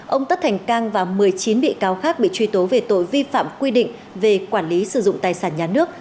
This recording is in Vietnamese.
ông tất thành cang và một mươi chín bị cáo khác bị truy tố về tội vi phạm quy định về quản lý sử dụng tài sản nhà nước